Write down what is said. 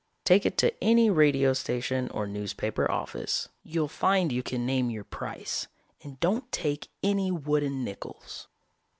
Take it to any radio station or newspaper office. You'll find you can name your price and don't take any wooden nickels.